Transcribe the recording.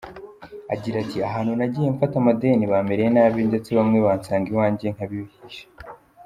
Agira ati “Ahantu nagiye mfata amadeni bamereye nabi ndetse bamwe bansanga iwanjye nkabihisha.